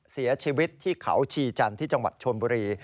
เสียชีวิตที่เขาชีจันทร์ที่จังหวัดชนบุรี